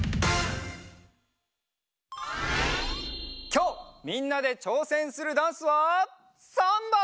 きょうみんなでちょうせんするダンスはサンバ！